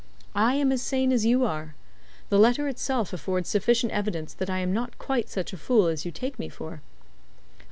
I am as sane as you are. The letter itself affords sufficient evidence that I am not quite such a fool as you take me for."